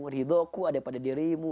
ridhoku ada pada dirimu